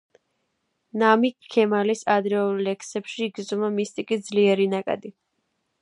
ნამიქ ქემალის ადრეულ ლექსებში იგრძნობა მისტიკის ძლიერი ნაკადი.